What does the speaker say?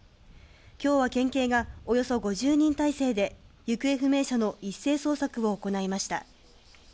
きょうは県警が、およそ５０人態勢で行方不明者の一斉捜索を行いました。